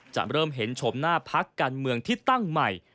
จะเริ่มเห็นชมหน้าพักการเมืองที่ตั้งใหม่